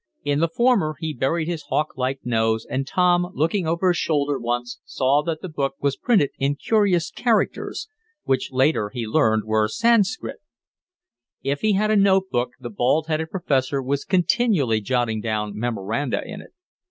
In the former he buried his hawk like nose, and Tom, looking over his shoulder once, saw that the book was printed in curious characters, which, later, he learned were Sanskrit. If he had a note book the bald headed professor was continually jotting down memoranda in it.